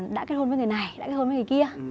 đã kết hôn với người này đã kết hôn với người kia